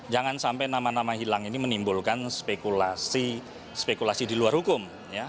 jangan sampai nama nama hilang ini menimbulkan spekulasi di luar hukum